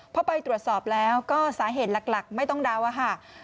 พอไปตรวจสอบแล้วก็สาเหตุหลักไม่ต้องเดาค่ะ